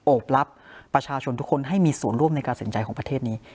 รับประชาชนทุกคนให้มีส่วนร่วมในการสินใจของประเทศนี้